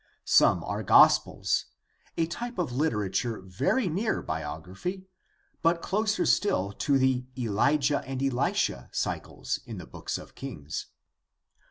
Some are gospels, a type of literature very near biography but closer still to the Elijah and Elisha cycles in the Books of Kings.